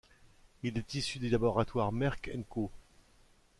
Il est issu des laboratoires Merck & Co.